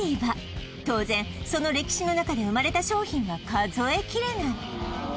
当然その歴史の中で生まれた商品は数え切れない